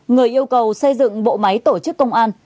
người yêu cầu xây dựng bộ máy tổ chức công an